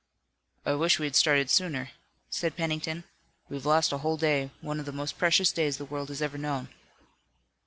"I wish we had started sooner," said Pennington. "We've lost a whole day, one of the most precious days the world has ever known."